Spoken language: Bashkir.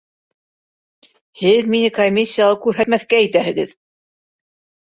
Һеҙ мине комиссияға күрһәтмәҫкә итәһегеҙ!